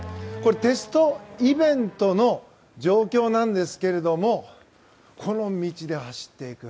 テストイベントの状況なんですけどこの道で走っていく。